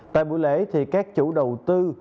tại buổi lễ thì các chủ đầu tư